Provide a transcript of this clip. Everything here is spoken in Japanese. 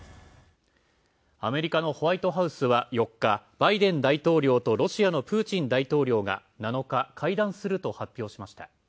アメリカのホワイトハウスは４日バイデン大統領とロシアのプーチン大統領が７日、会談すると発表しました。